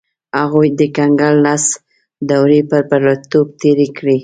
هغوی د کنګل لس دورې په بریالیتوب تېرې کړې.